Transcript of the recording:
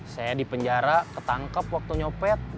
saya di penjara ketangkep waktu nyopet